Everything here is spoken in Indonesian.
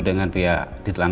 dengan pihak ditemukannya